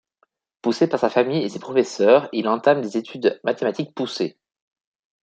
Poussé par sa famille et ses professeurs, il entame des études mathématiques poussées.